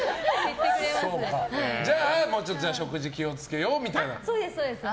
じゃあ食事に気をつけようみたいな。